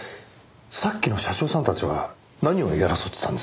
さっきの社長さんたちは何を言い争ってたんです？